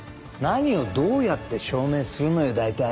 何をどうやって証明するのよ大体。